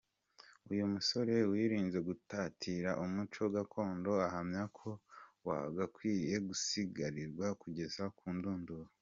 Uyu musore wirinze gutatira umuco gakondo ahamya ko wagakwiriye gusigasirwa kugeza ku ndunduro.